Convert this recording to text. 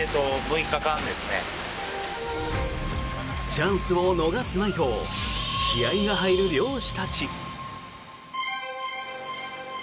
チャンスを逃すまいと気合が入る漁師たち。